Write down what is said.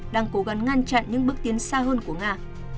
đang cố gắng ngăn chặn những bước tiến xa hơn của nga